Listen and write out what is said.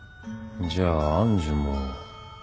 じゃあ愛珠も。